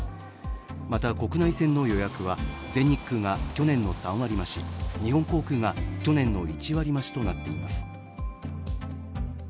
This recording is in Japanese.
また国内線の予約は全日空が去年の３割増し、日本航空が去年の１割増しとなっています。